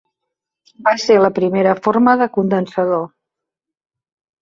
Va ser la primera forma de condensador.